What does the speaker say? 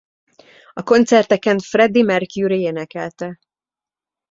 A koncerteken Freddie Mercury énekelte.